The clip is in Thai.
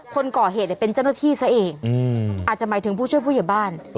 คนก่อเหตุเป็นเจ้าหน้าที่ซะเองอาจจะหมายถึงผู้ช่วยผู้ใหญ่บ้าน